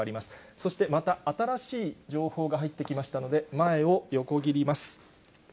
そしてまた新しい情報が入ってきましたので、前を横切ります。